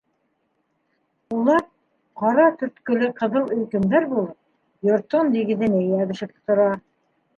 Улар, ҡара төрткөлө ҡыҙыл өйкөмдәр булып, йорттоң нигеҙенә йәбешеп тора.